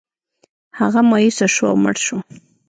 هغه مایوسه شو او مړ شو.